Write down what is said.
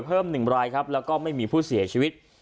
เพิ่ม๑รายแล้วก็ไม่มีผู้เสียชีวิต